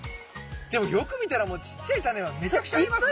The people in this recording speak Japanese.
でもよく見たらちっちゃいタネはめちゃくちゃありますね！